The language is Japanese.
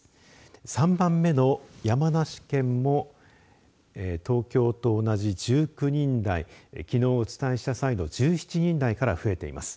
３番目の山梨県も東京と同じ１９人台きのうお伝えした際の１７人台から増えています。